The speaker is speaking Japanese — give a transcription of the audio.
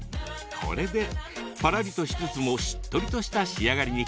これでパラリとしつつもしっとりとした仕上がりに。